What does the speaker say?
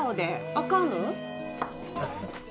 あかんの？